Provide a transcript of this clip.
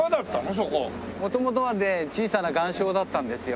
そこ。元々はね小さな岩礁だったんですよ。